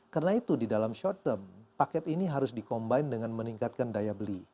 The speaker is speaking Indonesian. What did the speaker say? karena itu di dalam short term paket ini harus di combine dengan meningkatkan daya beli